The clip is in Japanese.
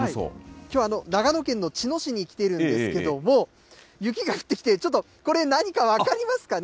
きょうは長野県の茅野市に来ているんですけれども、雪が降ってきて、ちょっとこれ、何か分かりますかね？